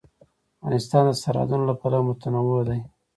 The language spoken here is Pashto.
افغانستان د سرحدونه له پلوه متنوع دی.